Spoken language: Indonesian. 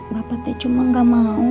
bapak teh cuma gak mau